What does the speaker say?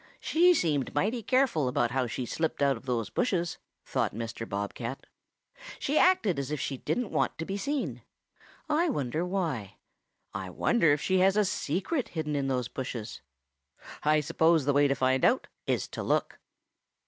"'She seemed mighty careful about how she slipped out of those bushes,' thought Mr. Bob cat. 'She acted as if she didn't want to be seen. I wonder why. I wonder if she has a secret hidden in those bushes. I suppose the way to find out is to look.'